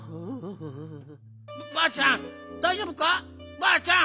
ばあちゃん